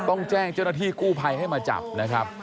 ต้องแจ้งเจ้าหน้าที่กู้ภัยให้มาจับนะครับ